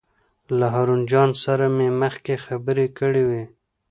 له هارون جان سره مې مخکې خبرې کړې وې.